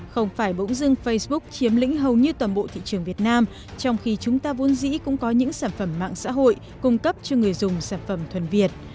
không phải bỗng dưng facebook chiếm lĩnh hầu như toàn bộ thị trường việt nam trong khi chúng ta vốn dĩ cũng có những sản phẩm mạng xã hội cung cấp cho người dùng sản phẩm thuần việt